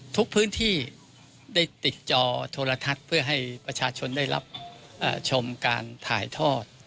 ทุกพื้นที่ได้ติดจอโทรทัศน์เพื่อให้ประชาชนได้รับชมการถ่ายทอด